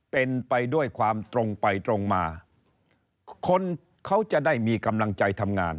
เป็นไปด้วยความตรงไปตรงมาคนเขาจะได้มีกำลังใจทำงาน